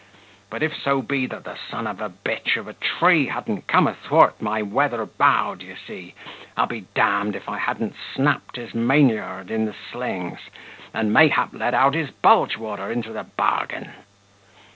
But if so be that son of a b of a tree hadn't come athwart my weather bow, d'ye see, I'll be d d if I hadn't snapt his main yard in the slings, and mayhap let out his bulge water into the bargain."